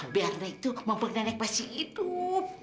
biar nenek tuh mampu nianek pas hidup